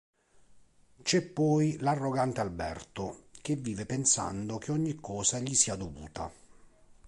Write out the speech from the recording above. C'è poi l'arrogante Alberto, che vive pensando che ogni cosa gli sia dovuta.